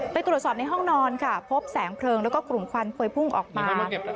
ไปตรวจสอบในห้องนอนค่ะพบแสงเพลิงแล้วก็กลุ่มควันพวยพุ่งออกมา